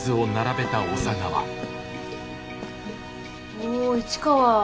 お市川。